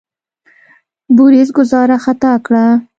بوریس ګوزاره خطا کړه.